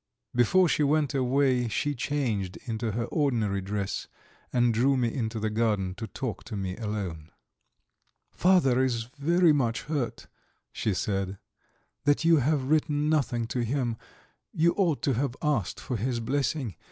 Before she went away she changed into her ordinary dress, and drew me into the garden to talk to me alone. "Father is very much hurt," she said, "that you have written nothing to him. You ought to have asked for his blessing.